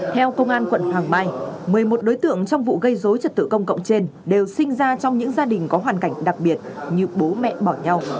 theo công an quận hoàng mai một mươi một đối tượng trong vụ gây dối trật tự công cộng trên đều sinh ra trong những gia đình có hoàn cảnh đặc biệt như bố mẹ bỏ nhau